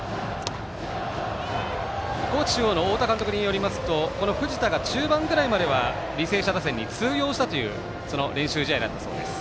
高知中央の太田監督によりますとこの藤田が、中盤ぐらいまでは履正社打線に通用したという練習試合だったそうです。